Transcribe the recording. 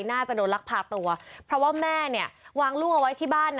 น่าจะโดนลักพาตัวเพราะว่าแม่เนี่ยวางลูกเอาไว้ที่บ้าน